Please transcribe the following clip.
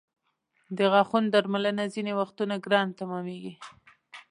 د غاښونو درملنه ځینې وختونه ګرانه تمامېږي.